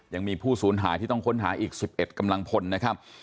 ยังมีผู้ศูนย์หายที่ต้องค้นหาอีกสิบเอ็ดกำลังพลนะครับ